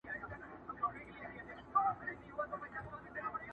پر قاتل یې زیارت جوړ دی بختور دی؛